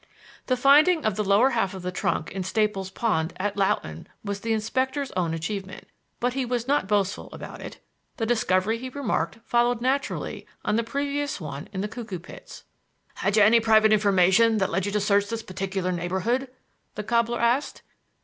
The finding of the lower half of the trunk in Staple's Pond at Loughton was the inspector's own achievement, but he was not boastful about it. The discovery, he remarked, followed naturally on the previous one in the Cuckoo Pits. "Had you any private information that led you to search this particular neighborhood?" the cobbler asked.